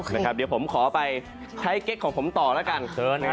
เดี๋ยวผมขอไปใช้เก๊กของผมต่อแล้วกัน